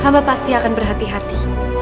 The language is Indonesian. hamba pasti akan berhati hati